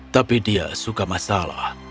tapi dia suka masalah